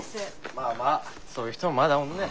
まあまあそういう人もまだおんねん。